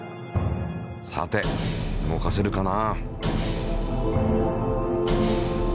さて動かせるかな？